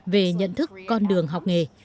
về nhận thức con đường học nghề